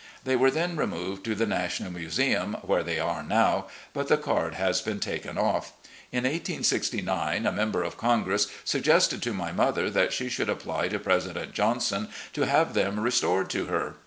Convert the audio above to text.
They were then removed to the "National Museum," where they are now, but the card has been taken off. In 1869, a member of Congress suggested to my mother that she should apply to Presi dent Johnson to have them restored to her.